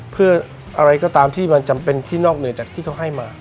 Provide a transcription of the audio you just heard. เพื่ออะไรก็ตามที่มันจำเป็นที่นอกเหนือจากที่เขาให้มา